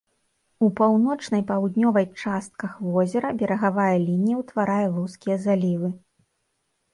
У паўночнай паўднёвай частках возера берагавая лінія ўтварае вузкія залівы.